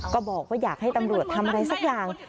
ก็บอกว่าอยากให้ตำรวจทำอะไรสักอย่าง